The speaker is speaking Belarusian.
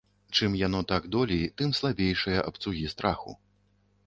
Чым яно так долей, тым слабейшыя абцугі страху.